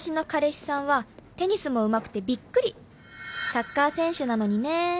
「サッカー選手なのにね」